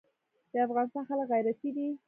د افغانستان خلک غیرتي دي